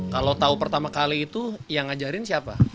kalau tahu pertama kali itu yang ngajarin siapa